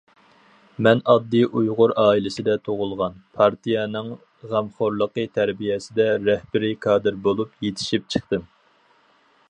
مەن ئاددىي ئۇيغۇر ئائىلىسىدە تۇغۇلغان، پارتىيەنىڭ غەمخورلۇقى، تەربىيەسىدە رەھبىرىي كادىر بولۇپ يېتىشىپ چىقتىم.